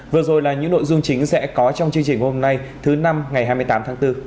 vừa rồi là những nội dung chính sẽ có trong chương trình hôm nay thứ năm ngày hai mươi tám tháng bốn